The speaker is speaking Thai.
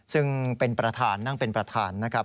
ซึ่งเป็นประธานนั่งเป็นประธานนะครับ